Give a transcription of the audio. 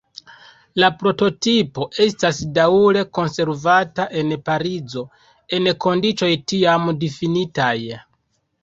La prototipo estas daŭre konservata en Parizo, en kondiĉoj tiam difinitaj.